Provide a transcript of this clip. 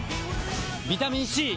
ビタミン Ｃ！